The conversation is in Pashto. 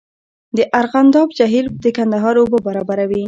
د ارغنداب جهیل د کندهار اوبه برابروي